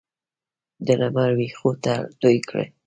د لمر وپښوته توی کړي